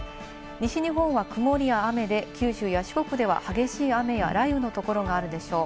西日本は曇りや雨で九州や四国では激しい雨や雷雨のところがあるでしょう。